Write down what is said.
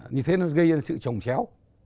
như thế nó gây ra sự trồng chéo